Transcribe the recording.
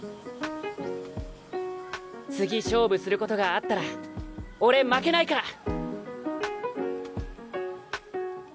次勝負することがあったら俺負けないから！